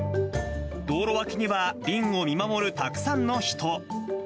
道路脇には瓶を見守るたくさんの人。